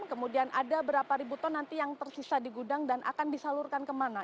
kemudian ada berapa ribu ton nanti yang tersisa di gudang dan akan disalurkan kemana